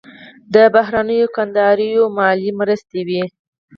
د بهرنیو کندهاریو مالي مرستې وې.